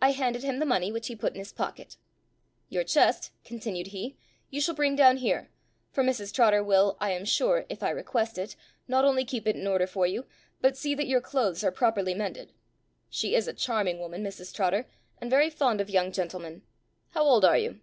I handed him the money, which he put in his pocket. "Your chest," continued he, "you shall bring down here, for Mrs Trotter will, I am sure, if I request it, not only keep it in order for you, but see that your clothes are properly mended. She is a charming woman, Mrs Trotter, and very fond of young gentlemen. How old are you?"